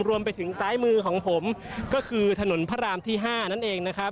รวมไปถึงซ้ายมือของผมก็คือถนนพระรามที่๕นั่นเองนะครับ